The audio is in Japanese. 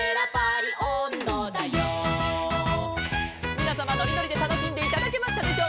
「みなさまのりのりでたのしんでいただけましたでしょうか」